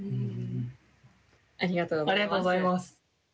ありがとうございます。